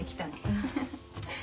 フフフ。